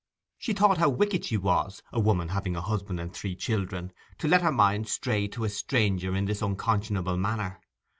She thought how wicked she was, a woman having a husband and three children, to let her mind stray to a stranger in this unconscionable manner.